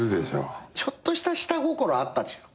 ちょっとした下心あったでしょ。